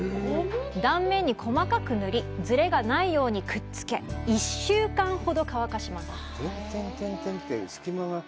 断面に細かく塗りズレがないようにくっつけ１週間ほど乾かします。